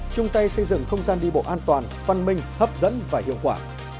chung tay xây dựng không gian đi bộ an toàn văn minh hấp dẫn và hiệu quả